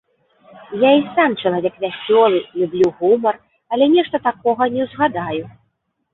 Я і сам чалавек вясёлы, люблю гумар, але нешта такога не ўзгадаю.